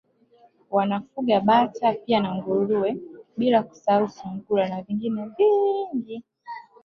Wanafuga Bata pia na Nguruwe bila kusahau Sungura na vingine vingi